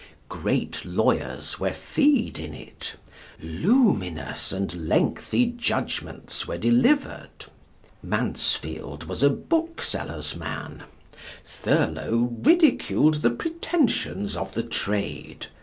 Great lawyers were fee'd in it; luminous and lengthy judgments were delivered. Mansfield was a booksellers' man; Thurlow ridiculed the pretensions of the Trade.